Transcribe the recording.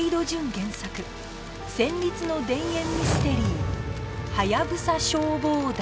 原作戦慄の田園ミステリー『ハヤブサ消防団』